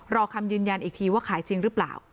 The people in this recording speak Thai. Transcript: รอคำยืนยันอีกทีว่าขายจริงหรือเปล่า